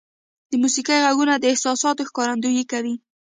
• د موسیقۍ ږغونه د احساساتو ښکارندویي کوي.